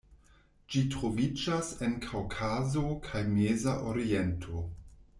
Ĝi troviĝas en Kaŭkazo kaj Meza Oriento.